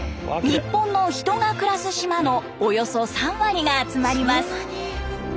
日本の人が暮らす島のおよそ３割が集まります。